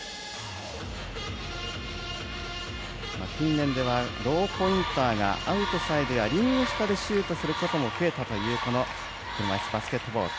近年ではローポインターがアウトサイドやリング下でシュートすることも増えたという車いすバスケットボール。